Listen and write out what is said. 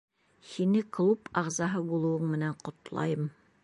Һине клуб ағзаһы булыуың менән ҡотлайым!